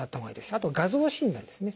あと画像診断ですね。